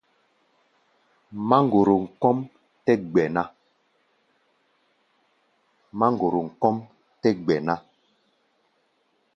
Máŋgorom kɔ́ʼm tɛ́ gbɛ̧ ná.